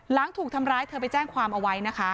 หลังถูกทำร้ายเธอไปแจ้งความเอาไว้นะคะ